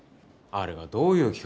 あれがどういう企画か。